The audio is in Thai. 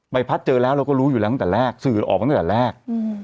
พัดเจอแล้วเราก็รู้อยู่แล้วตั้งแต่แรกสื่อออกมาตั้งแต่แรก